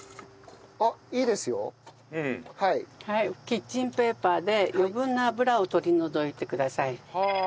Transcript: キッチンペーパーで余分な油を取り除いてください。